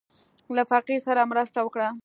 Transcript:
له فقير سره مرسته وکړه.